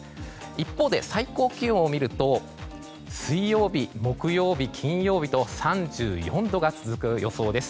一方で最高気温を見ると水曜日、木曜日、金曜日と３４度が続く予想です。